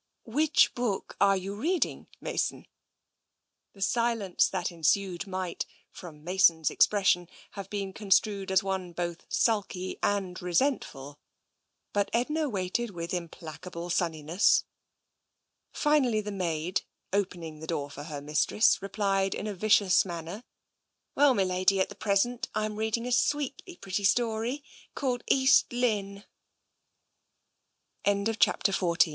" Which book are you reading, Mason? " The silence that ensued might, from Mason's expres sion, have been construed as one both sulky and resent ful, but Edna waited with implacable sunniness. TENSION 195 Finally the maid, opening the door for her mistress, replied in a vicious manner :" Well, m'lady, at the present, I'm reading a sweetly p